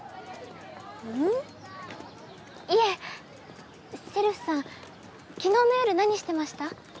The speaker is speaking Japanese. いえせるふさん昨日の夜何してました？